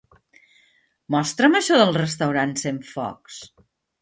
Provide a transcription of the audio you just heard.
Mostra'm això del restaurant Centfocs.